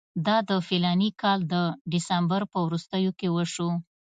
دا د فلاني کال د ډسمبر په وروستیو کې وشو.